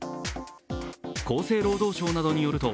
厚生労働省などによると、